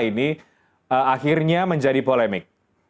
ini akhirnya menjadi polemik